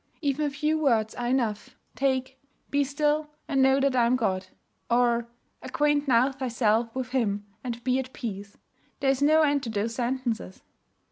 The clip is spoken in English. Even a few words are enough. Take, "Be still, and know that I am God"; or, "Acquaint now thyself with Him, and be at peace." There's no end to those sentences.